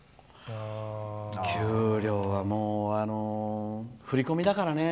給料は、振り込みだからね。